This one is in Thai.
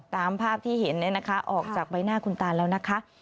ตามภาพที่เห็นเนี่ยนะคะออกจากใบหน้าคุณตาแล้วนะคะ